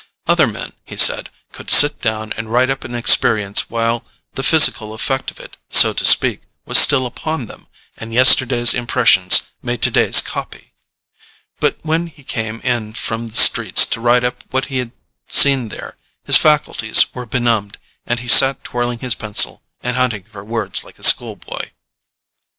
Other men, he said, could sit down and write up an experience while the physical effect of it, so to speak, was still upon them, and yesterday's impressions made to day's "copy." But when he came in from the streets to write up what he had seen there, his faculties were benumbed, and he sat twirling his pencil and hunting for words like a schoolboy.